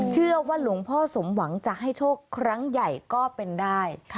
เชื่อว่าหลวงพ่อสมหวังจะให้โชคครั้งใหญ่ก็เป็นได้